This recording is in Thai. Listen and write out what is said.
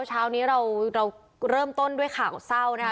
เช้านี้เราเริ่มต้นด้วยข่าวเศร้านะคะ